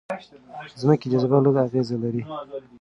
ځمکې جاذبه لږ اغېز لري.